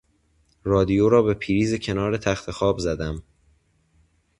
رادیو را به پریز کنار تختخواب زدم.